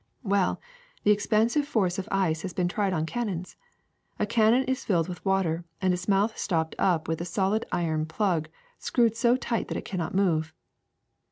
Well, the expansive force of ice has been tried on cannons. A cannon is filled with water and its mouth stopped up with a solid iron plug screwed so tight that it cannot move.